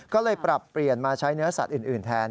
ก็เลยปรับเปลี่ยนมาใช้เนื้อสัตว์อื่นแทน